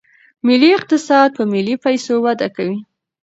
ملي اقتصاد په ملي پیسو وده کوي.